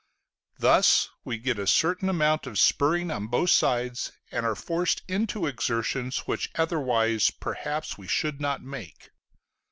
Thus we get a certain amount of spurring on both sides, and are forced into exertions which otherwise perhaps we should not make.